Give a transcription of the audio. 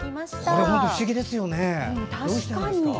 これは不思議ですよね。